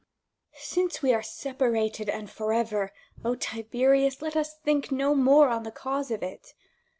Since we are separated, and for ever, Tiberius, let us think no more on the cause of it.